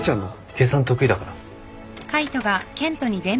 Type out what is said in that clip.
計算得意だから。